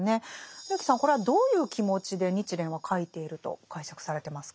植木さんこれはどういう気持ちで日蓮は書いていると解釈されてますか？